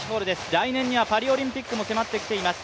来年にはパリオリンピックも迫ってきています。